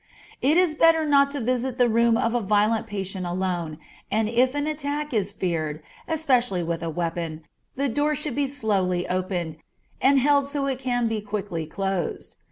It is better not to visit the room of a violent patient alone, and if an attack is feared, especially with a weapon, the door should be slowly opened, and held so it can be quickly closed.